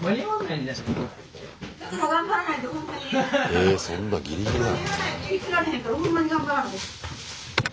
えそんなギリギリなの。